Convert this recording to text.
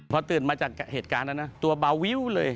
พอตื่นมาจากเหตุการณ์นั้นนะตัวเบาวิวเลย